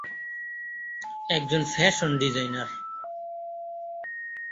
একজন fashion designer.